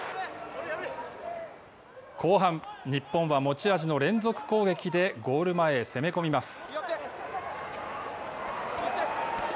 後半、日本は持ち味の連続攻撃でゴール前へ攻め込みます。